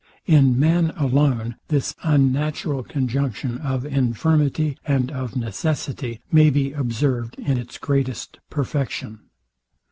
In man alone, this unnatural conjunction of infirmity, and of necessity, may be observed in its greatest perfection.